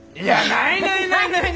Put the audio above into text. ないない。